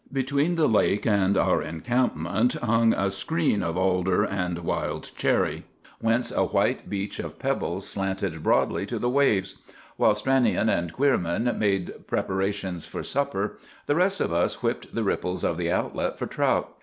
Between the lake and our encampment hung a screen of alder and wild cherry, whence a white beach of pebbles slanted broadly to the waves. While Stranion and Queerman made preparations for supper, the rest of us whipped the ripples of the outlet for trout.